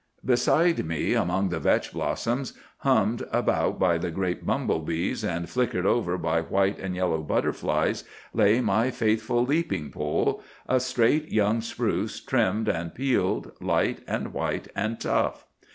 "Beside me among the vetch blossoms, hummed about by the great bumblebees and flickered over by white and yellow butterflies, lay my faithful leaping pole,—a straight young spruce trimmed and peeled, light and white and tough.